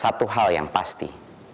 satu hal yang pasti